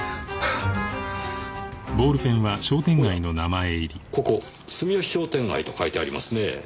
おやここ「隅吉商店街」と書いてありますね。